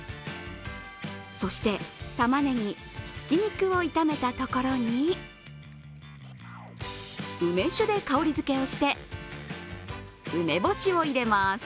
そして、たまねぎ、ひき肉を炒めたところに梅酒で香りづけをして梅干しを入れます。